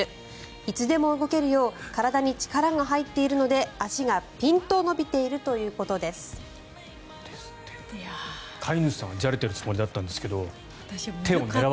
いつでも動けるよう体に力が入っているので足がピンと伸びているということです。ですって。